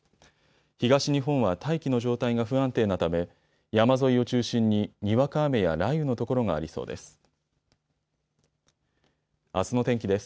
東日本は大気の状態が不安定なため山沿いを中心に、にわか雨や雷雨の所がありそうです。